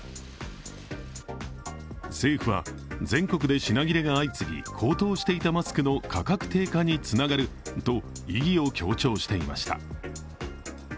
政府は全国で品切れが相次ぎ、高騰していたマスクの価格低下につながると意義を強調していました。